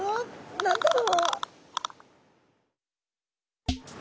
何だろう。